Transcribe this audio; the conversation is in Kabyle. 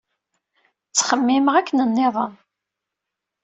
Ttxemmimeɣ akken nniḍen.